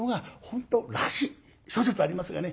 諸説ありますがね。